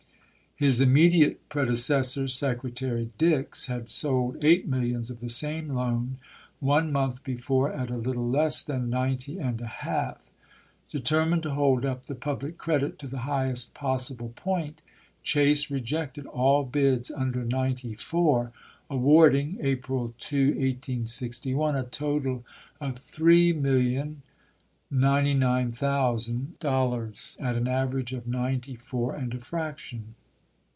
His immediate pre decessor. Secretary Dix, had sold eight millions of the same loan one month before at a little less than ninety and a half. Determined to hold up the pub lic credit to the highest possible point, Chase re ^;^^ jected all bids under ninety four, awarding (April "i^ansof 2, 1861) a total of $3,099,000 at an average of ninety ^^ItS'*^ four and a fraction.